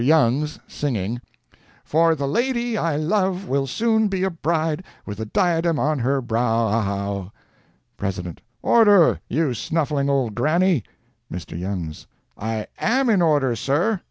Youngs— —"For the lady I love will soon be a bride, with the diadem on her brow ow ow." President—"Order, you snuffling old granny!" Mr. Youngs—"I AM in order, sir."